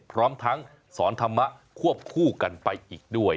พร้อมทั้งสอนธรรมะควบคู่กันไปอีกด้วย